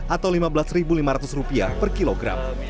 atau rp lima belas lima ratus per kilogram